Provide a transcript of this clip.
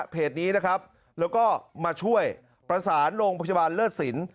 เพจนี้นะครับแล้วก็มาช่วยประสานโรงพยาบาลเลิศสิน